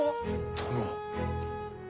殿。